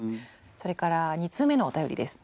それから２通目のお便りです。